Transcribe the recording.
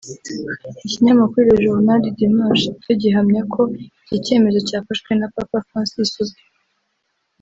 Ikinyamakuru Le Journal du Dimanche cyo gihamya ko iki cyemezo cyafashwe na Papa Francis ubwe